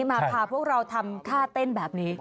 มาพาพวกเราทำท่าเต้นแบบนี้